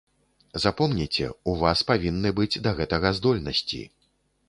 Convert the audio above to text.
Запомніце, у вас павінны быць да гэтага здольнасці.